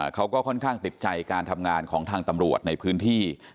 เขาก็ค่อนข้างติดใจการทำงานของทางตำรวจในพื้นที่